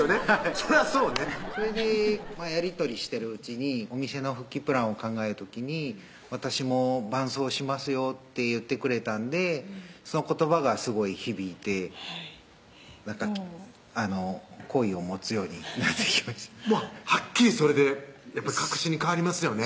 そりゃそうねそれでやり取りしてるうちにお店の復帰プランを考える時に「私も伴走しますよ」って言ってくれたんでその言葉がすごい響いて好意を持つようになってきましたはっきりそれで確信に変わりますよね